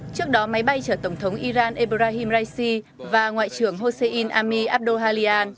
trước đó máy bay chở tổng thống iran ebrahim raisi và ngoại trưởng hossein ami abdollahian